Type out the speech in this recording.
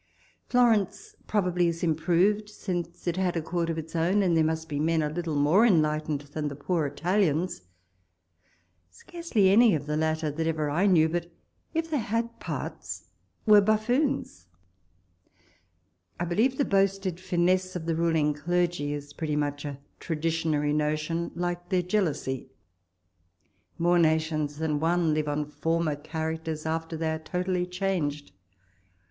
Florence probably is improved since it had a Court of its own, and there must be men a little more enlightened than the poor Italians. Scarcely any of the latter that ever I knew but, if they had parts, were buffoons. I believe the boasted fiiusse of the ruling clergy is pretty much a traditionary notion, like their jealousy. More nations than one live on former characters after they are totally changed.